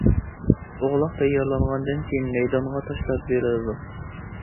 ئوغلاق تەييارلانغاندىن كېيىن مەيدانغا تاشلاپ بېرىلىدۇ.